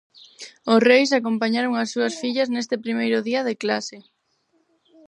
Os reis acompañaron as súas fillas neste primeiro día de clase.